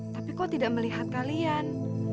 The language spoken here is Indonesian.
tapi kok tidak melihat kalian